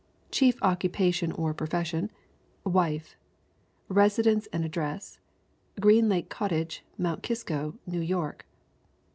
Chief occupation or profession: Wife. Residence & address: Green Lane Cottage, Mount Kisco, New York.